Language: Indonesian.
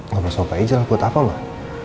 ngobrol sama pak ijal buat apa mbak